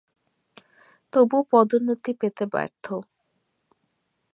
তবুও পদোন্নতি পেতে ব্যর্থ।